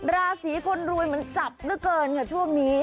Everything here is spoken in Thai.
ราศีคนรวยมันจับนึกเกินค่ะชั่วนี้